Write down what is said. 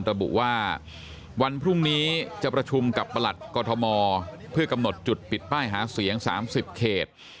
ระบุว่าวันพรุ่งนี้จะประชุมกับประหลัดกรทมเพื่อกำหนดจุดปิดป้ายหาเสียง๓๐เขต